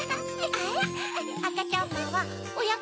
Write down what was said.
あらあかちゃんまんはおやこ